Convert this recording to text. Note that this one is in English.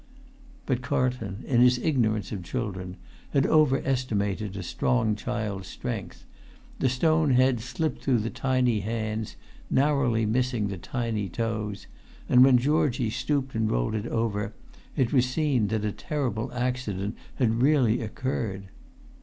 But Carlton, in his ignorance of children, had over estimated a strong child's strength; the stone head slipped through the tiny hands, narrowly missing the tiny toes; and when Georgie stooped and rolled it over, it was seen that a terrible accident had really occurred.